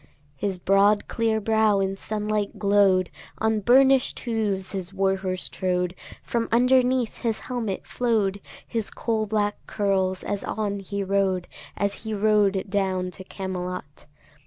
His broad clear brow in sunlight glow'd; On burnish'd hooves his war horse trode; From underneath his helmet flow'd His coal black curls as on he rode, As he rode down to Camelot.